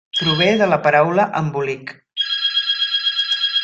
Prové de la paraula "embolic".